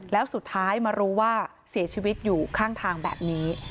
แล้วสุดท้ายมารู้ว่าเสียชีวิตอยู่ข้างทางแบบนี้